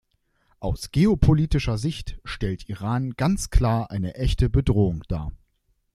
Aus geopolitischer Sicht stellt Iran ganz klar eine echte Bedrohung dar.